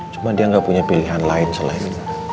cuma dia nggak punya pilihan lain selain